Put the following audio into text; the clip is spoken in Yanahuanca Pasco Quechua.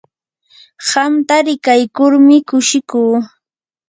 qamta rikaykurmi kushikuu.